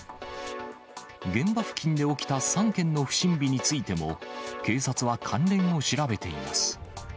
現場付近で起きた３件の不審火についても、警察は関連を調べています。